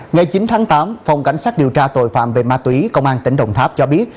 ngày chín tháng tám phòng cảnh sát điều tra tội phạm về ma túy công an tỉnh đồng tháp cho biết